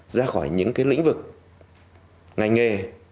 ra khỏi những cái lĩnh vực ngành nghề